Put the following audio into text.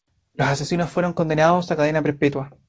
Los asesinos fueron condenados a cadena perpetua.